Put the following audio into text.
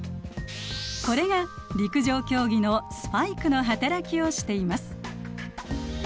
これが陸上競技のスパイクの働きをしています。